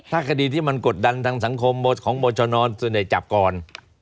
ถ้าคดีที่มันกดดันทางสังคมของบชนส่วนใหญ่จับก่อน